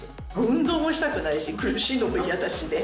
運動もしたくないし苦しいのも嫌だしね。